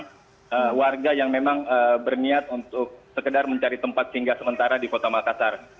ada warga yang memang berniat untuk sekedar mencari tempat tinggal sementara di kota makassar